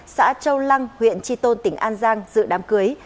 xã châu lăng huyện tri tôn tỉnh an giang dự đám cưới